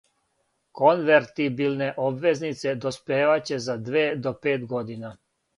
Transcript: Конвертибилне обвезнице доспеваће за две до пет година.